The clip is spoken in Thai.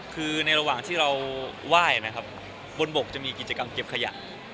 คือในระหว่างที่เราไหว้นะครับบนบกจะมีกิจกรรมเก็บขยะ